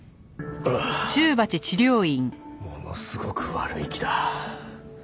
ああものすごく悪い気だ。